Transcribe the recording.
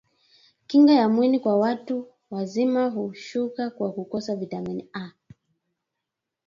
kinga ya mwili kwa watu wazima hushuka kwa kukosa vitamini A